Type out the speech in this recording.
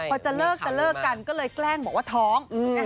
พอจะเลิกจะเลิกกันก็เลยแกล้งบอกว่าท้อง